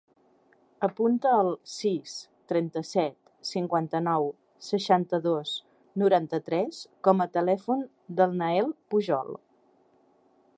Apunta el sis, trenta-set, cinquanta-nou, seixanta-dos, noranta-tres com a telèfon del Nael Pujol.